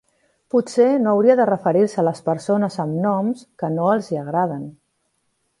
Potser no hauria de referir-se a les persones amb noms que no els hi agraden.